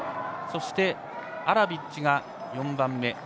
そして、アラビッチが４番目。